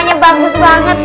kerjasamanya bagus banget ya